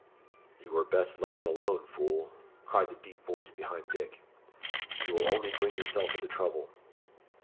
"You were best let him alone, fool," cried the deep voice behind Dick. "You will only bring yourself into trouble."